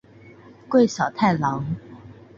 桂小太郎。